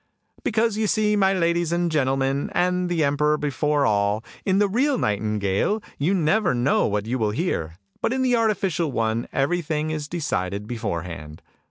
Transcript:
" Because you see, my ladies and gentlemen, and the emperor before all, in the real nightingale you never know what you will hear, but in the artificial one everything is decided beforehand!